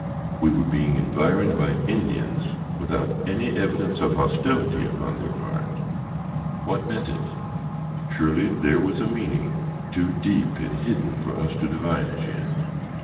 We were being environed by Indians without any evidence of hostility upon their part. What meant it? Surely there was a meaning too deep and hidden for us to divine as yet.